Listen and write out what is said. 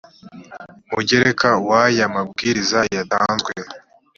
mugereka wa i w aya mabwiriza yatanzwe